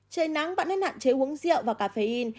trời nắng bạn nên hạn chế uống rượu và cà phê in